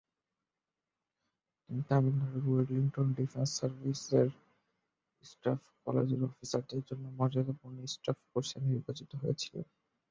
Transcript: তিনি তামিলনাড়ুর Wellington, defence services staff কলেজের অফিসারদের জন্য মর্যাদাপূর্ণ স্টাফ কোর্সে নির্বাচিত হয়েছিলেন।